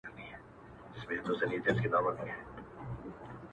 • د تور سره او زرغون بیرغ کفن به راته جوړ کې ,